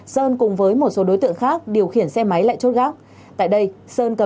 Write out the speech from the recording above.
sơn cùng với một số đối tượng khác điều khiển xe máy lại chốt gác